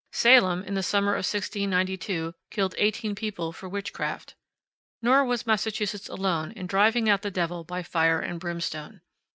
Salem, in the summer of 1692, killed eighteen people for witchcraft. Nor was Massachusetts alone in driving out the devil by fire and brimstone.